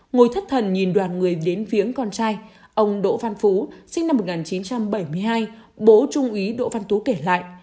ngồi thất thần nhìn đoàn người đến viếng con trai ông đỗ văn phú sinh năm một nghìn chín trăm bảy mươi hai bố trung ý đỗ văn tú kể lại